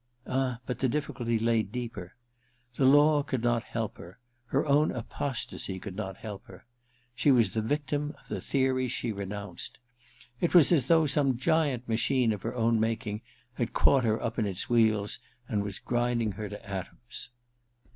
Ah, but the difficulty lay deeper ! The law could not help her — her own apostasy could not help her. She was the victim of the theories 222 THE RECKONING in she renounced. It was as though some giant machine of her own making had caught her up in its wheels and was grinding her to atoms.